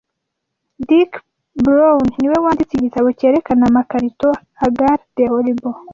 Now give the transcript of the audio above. Dik Browne niwe wanditse igitabo cyerekana amakarito Hagar the Horrible